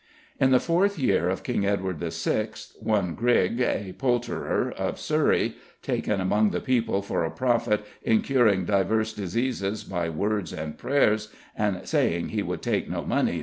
"In the fourth year of King Edward VI., one Grig, a poulterer, of Surrey (taken among the people for a prophet in curing divers diseases by words and prayers, and saying he would take no money, &c.)